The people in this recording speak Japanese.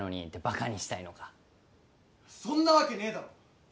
バカにしたいのかそんなわけねえだろ！